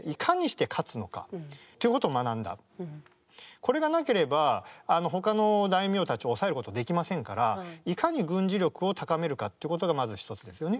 これがなければほかの大名たちを抑えることできませんからいかに軍事力を高めるかっていうことがまず一つですよね。